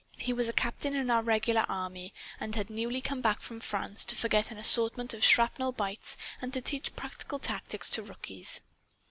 He was a captain in our regular army and had newly come back from France to forget an assortment of shrapnel bites and to teach practical tactics to rookies.